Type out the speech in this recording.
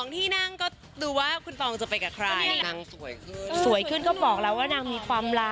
๒ที่นั่งก็ดูว่าคุณฟองจะไปกับใคร